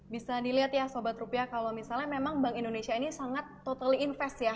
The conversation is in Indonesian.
bisa dilihat ya sobat rupiah kalau misalnya memang bank indonesia ini sangat totally invest ya